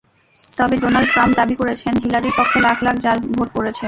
তবে Donald Trump দাবি করেছেন, হিলারির পক্ষে লাখ লাখ জাল ভোট পড়েছে।